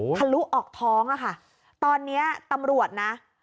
โอ้โหทะลุออกท้องอ่ะค่ะตอนเนี้ยตำรวจน่ะ